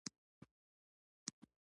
دا دره بیا په دریو درو ویشل شوي: